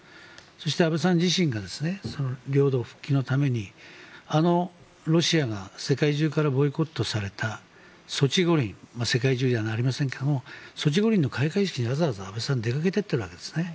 そして安倍さん自身が領土復帰のためにあのロシアが世界中からボイコットされたソチ五輪世界中ではありませんがソチ五輪の開会式にわざわざ安倍さん出かけていっているわけですね。